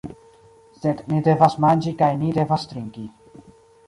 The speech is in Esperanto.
Sed ni devas manĝi kaj ni devas trinki.